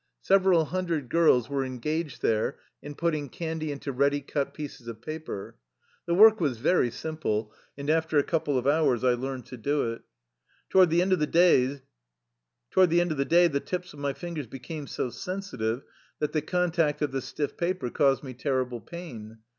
'' Several hundred girls were engaged there in putting candy into ready cut pieces of paper. The work was very simple, and after a couple of hours I learned to do it. Toward the end of the day the tips of my fin gers became so sensitive that the contact of the stiff paper caused me terrible pain.